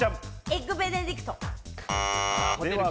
エッグベネディクト。